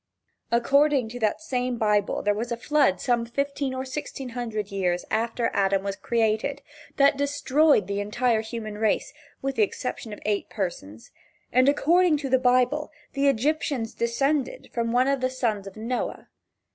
According to that same Bible there was a flood some fifteen or sixteen hundred years after Adam was created that destroyed the entire human race with the exception of eight persons, and according to the Bible the Egyptians descended from one of the sons of Noah.